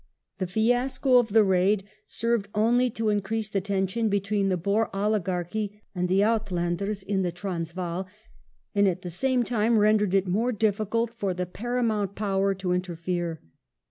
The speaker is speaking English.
The fiasco of the raid served only to increase the tension between the Boer oligarchy and the " Uitlanders " in the Transvaal,^ and at the same time rendered it more difficult for the Paramount Power to interfere.